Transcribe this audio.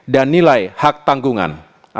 dan nilai hak tanggungan